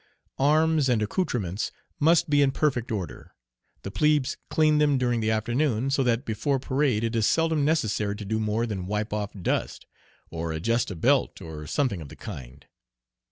Arms and accoutrements must be in perfect order. The plebes clean them during the afternoon, so that before parade it is seldom necessary to do more than wipe off dust, or adjust a belt, or something of the kind.